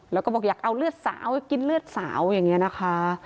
แล้วก็บอกอยากเอาเลือดสาวให้กินเลือดสาวอย่างนี้นะคะ